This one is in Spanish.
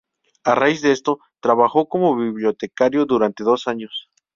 A raíz de esto, trabajó como bibliotecario durante dos años.